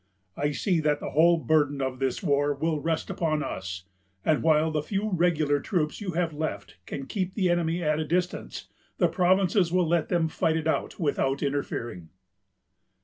I see that the whole burden of this war will rest upon us; and while the few regular troops you have left can keep the enemy at a distance, the Provinces will let them fight it out without interfering."